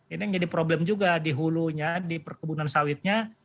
ini yang jadi problem juga di hulunya di perkebunan sawitnya